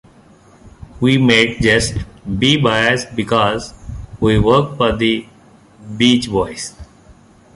We might just be biased because we work for the Beach Boys.